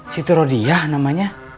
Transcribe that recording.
si turodiyah namanya